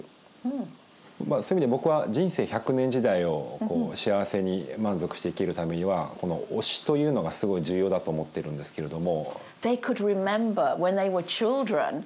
そういう意味で僕は人生１００年時代を幸せに満足して生きるためにはこの推しというのがすごい重要だと思ってるんですけれども。